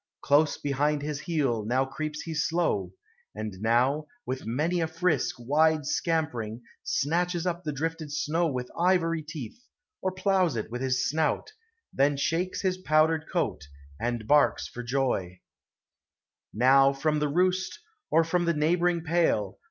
(lose behind bis heel Now creeps he slow; and now, with manj a rrisK Wide scampering, snatches up the drifted sno* With ivory teeth, or ploughs it with Ins snout; Then shakes his powdered coat, and barks for joy, NW^mtheroost, or from the neighboring pale, 188 POEMS OF NATURE.